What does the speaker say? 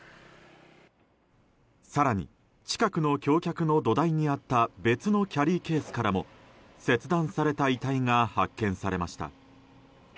更に、近くの橋の橋脚の土台にあった別のキャリーケースからも切断された遺体が発見されました。